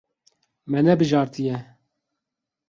Me nebijartiye.